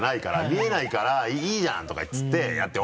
「見えないからいいじゃん」とかって言ってやって。